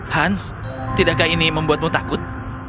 hans tidakkah ini membuatmu takut